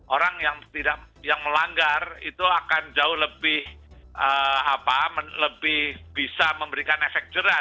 orang yang melanggar itu akan jauh lebih bisa memberikan efek jerah